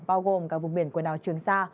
bao gồm cả vùng biển quần đảo trường sa